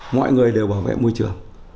mọi người đều bảo vệ môi trường